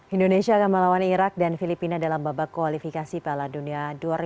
indonesia akan melawan irak dan filipina dalam babak kualifikasi piala dunia dua ribu dua puluh enam